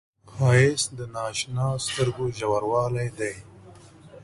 ښایست د نااشنا سترګو ژوروالی دی